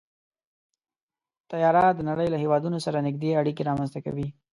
طیاره د نړۍ له هېوادونو سره نږدې اړیکې رامنځته کوي.